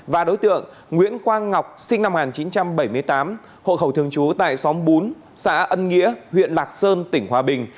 và đối tượng nguyễn quang ngọc sinh năm một nghìn chín trăm bảy mươi tám hộ khẩu thường trú tại xóm bốn xã ân nghĩa huyện lạc sơn tỉnh hòa bình